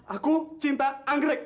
aku cinta anggrek